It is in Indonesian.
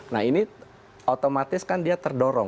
nah ini otomatis kan dia terdorong